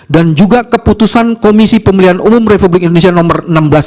dan juga keputusan komisi pemilihan umum republik indonesia nomor seribu enam ratus empat puluh empat